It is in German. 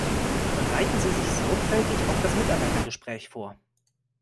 Bereiten Sie sich sorgfältig auf das Mitarbeitergespräch vor!